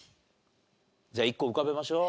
じゃあ１個浮かべましょう。